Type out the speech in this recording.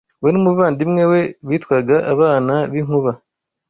We n’umuvandimwe we bitwaga: abana b’inkuba